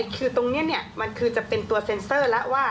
คือตรงนี้มันคือจะเป็นตัวเซ็นเซอร์แล้วว่า